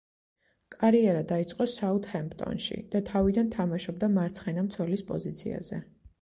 კარიერა დაიწყო „საუთჰემპტონში“ და თავიდან თამაშობდა მარცხენა მცველის პოზიციაზე.